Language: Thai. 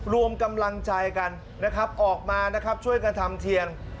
รวมกำลังใจกันนะครับออกมานะครับช่วยกันทำเทียน